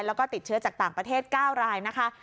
แล้วก็ติดเชื้อจากต่างประเทศ๙รายนะคะ